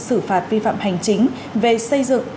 xử phạt vi phạm hành chính về xây dựng